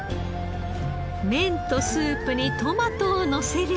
麺とスープにトマトをのせれば。